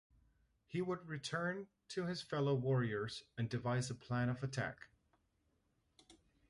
He would return to his fellow warriors and devise a plan of attack.